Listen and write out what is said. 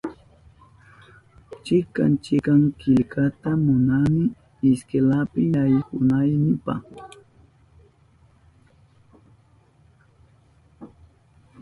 Chikan chikan killkata munani iskwelapi yaykunaynipa